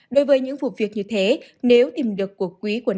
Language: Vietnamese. đối với những vụ việc như thế nếu tìm được cuộc quyền